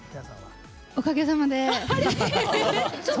おかげさまで。